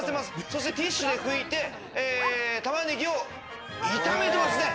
そしてティッシュでふいて、玉ねぎを炒めてますね。